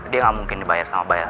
dia nggak mungkin dibayar sama bayar